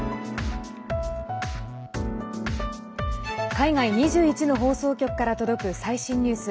海外２１の放送局から届く最新ニュース。